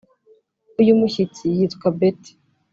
uyu mushyitsi yitwa betty,